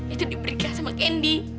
itu diberikan sama candy